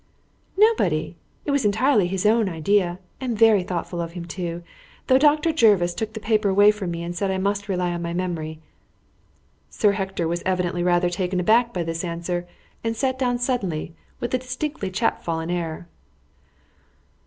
"Nobody. It was entirely his own idea, and very thoughtful of him, too, though Dr. Jervis took the paper away from me and said I must rely on my memory." Sir Hector was evidently rather taken aback by this answer, and sat down suddenly, with a distinctly chapfallen air.